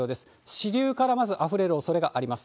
支流からまずあふれるおそれがあります。